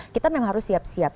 kita memang harus siap siap